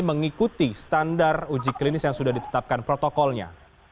mengikuti standar uji klinis yang sudah ditetapkan protokolnya